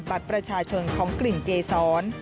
บัตรประชาชนของกลิ่นเกษร